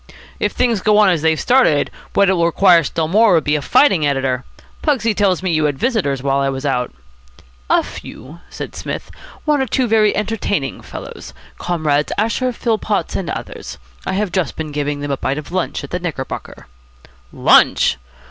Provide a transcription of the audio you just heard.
"If things go on as they've started, what it will require still more will be a fighting editor. Pugsy tells me you had visitors while I was out." "A few," said Psmith. "One or two very entertaining fellows. Comrades Asher, Philpotts, and others. I have just been giving them a bite of lunch at the Knickerbocker." "Lunch!"